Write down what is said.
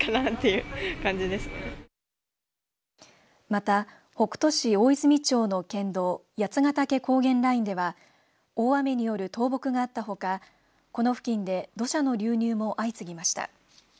また、北杜市大泉町の県道八ヶ岳高原ラインでは大雨による倒木があったほかこの付近で土砂の流入も相次ぎました。